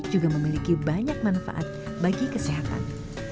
juga memiliki banyak manfaat bagi kesehatan